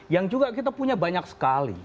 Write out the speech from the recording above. yang juga kita punya banyak sekali